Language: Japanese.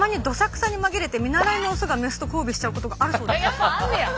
やっぱあんねや！